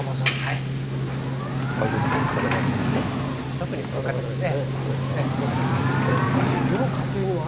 特にこの形をいいます。